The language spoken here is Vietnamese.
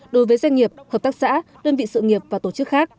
đối với doanh nghiệp hợp tác xã đơn vị sự nghiệp và tổ chức khác